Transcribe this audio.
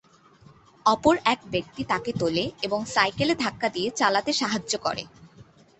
অপর এক ব্যক্তি তাকে তোলে এবং সাইকেলে ধাক্কা দিয়ে চালাতে সাহায্য করে।